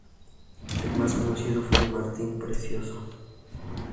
El más conocido fue Martín Precioso.